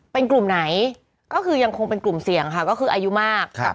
เป็นกลุ่มไหนก็คือยังคงเป็นกลุ่มเสี่ยงค่ะก็คืออายุมาก